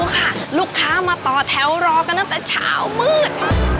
ดูค่ะลูกค้ามารอต่อแท้อยู่กันตั้งแต่ว่าชาวมืด